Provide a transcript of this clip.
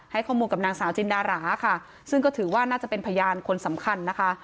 ข้อมูลกับนางสาวจินดาราค่ะซึ่งก็ถือว่าน่าจะเป็นพยานคนสำคัญนะคะ